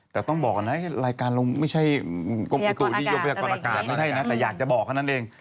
แต่ต้องบอกก่อนนะรายการเราไม่ใช่กรมอุตุนิยมพยากรอากาศไม่ใช่นะแต่อยากจะบอกเท่านั้นเอง